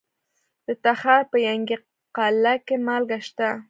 د تخار په ینګي قلعه کې مالګه شته.